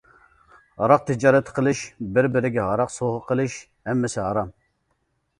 ھاراق تىجارىتى قىلىش، بىر-بىرىگە ھاراق سوۋغا قىلىش ھەممىسى ھارام.